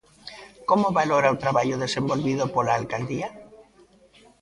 Como valora o traballo desenvolvido pola alcaldía?